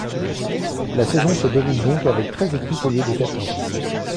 La saison se déroule donc avec treize équipes au lieu de quatorze.